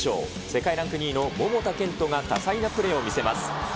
世界ランク２位の桃田賢斗が多彩なプレーを見せます。